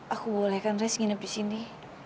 aku bolehkan res nginep di sini